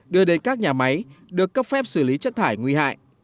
đưa đến các nhà máy được cấp phép xử lý chất thải nguy hại